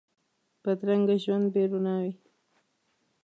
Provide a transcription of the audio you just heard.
بدرنګه ژوند بې روڼا وي